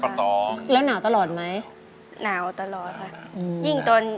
กระแซะเข้ามาสิ